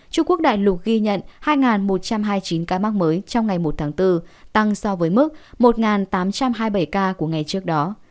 trung quốc đại lục ghi nhận hai một trăm hai mươi chín ca mắc mới trong ngày một tháng bốn tăng so với mức một tám trăm hai mươi bảy ca của ngày trước đó